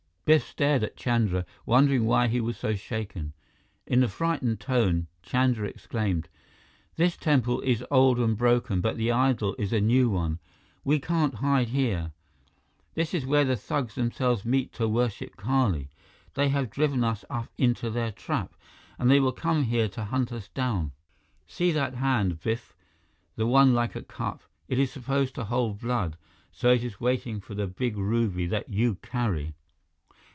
Biff stared at Chandra, wondering why he was so shaken. In a frightened tone, Chandra exclaimed: "This temple is old and broken, but the idol is a new one! We can't hide here! This is where the thugs themselves meet to worship Kali. They have driven us up into their trap, and they will come here to hunt us down. See that hand, Biff, the one like a cup? It is supposed to hold blood, so it is waiting for the big ruby that you carry!"